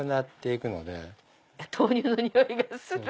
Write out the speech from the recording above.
豆乳のにおいがする。